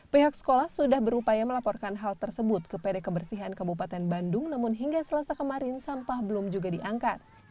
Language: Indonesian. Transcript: pihak sekolah sudah berupaya melaporkan hal tersebut ke pd kebersihan kabupaten bandung namun hingga selasa kemarin sampah belum juga diangkat